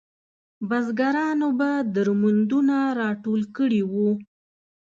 بزګرانو به درمندونه راټول کړي وو.